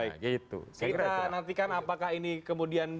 kita nantikan apakah ini kemudian